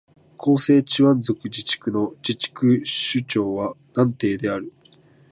広西チワン族自治区の自治区首府は南寧である